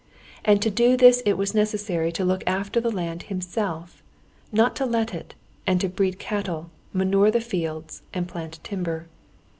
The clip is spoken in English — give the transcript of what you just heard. And to do this it was necessary to look after the land himself, not to let it, and to breed cattle, manure the fields, and plant timber.